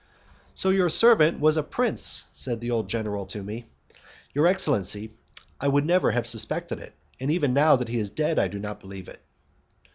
"So, your servant was a prince!" said the old general to me. "Your excellency, I never would have suspected it, and even now that he is dead I do not believe it."